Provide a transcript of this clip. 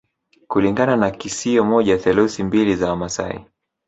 Kulingana na kisio moja theluthi mbili za Wamaasai